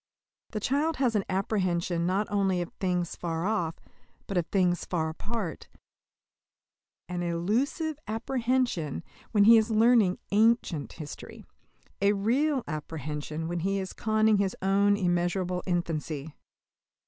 The child has an apprehension not only of things far off, but of things far apart; an illusive apprehension when he is learning "ancient" history a real apprehension when he is conning his own immeasurable infancy.